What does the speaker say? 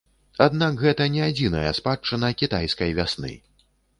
Аднак гэта не адзіная спадчына кітайскай вясны.